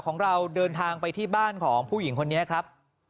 ของเราเดินทางไปที่บ้านของผู้หญิงคนนี้ครับ